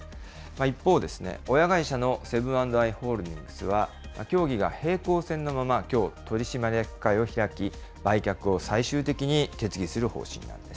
一方、親会社のセブン＆アイ・ホールディングスは、協議が平行線のまま、きょう、取締役会を開き、売却を最終的に決議する方針です。